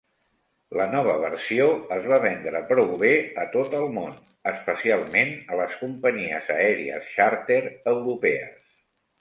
La nova versió es va vendre prou bé a tot el món, especialment a les companyies aèries xàrter europees.